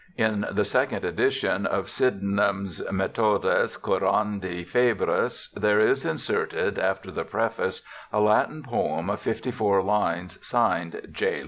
In the second edition of Sydenham's Methodus Curandi Fehrcs there is inserted after the preface a Latin poem of fifty four lines, signed, 'J.